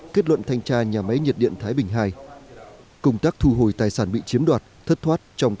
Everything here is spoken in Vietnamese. kết luận thanh tra nhà máy nhiệt điện thái bình ii công tác thu hồi tài sản bị chiếm đoạt